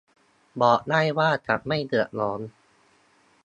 บอกได้ว่าจะไม่เดือดร้อน